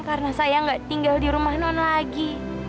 karena saya nggak tinggal di rumah non lagi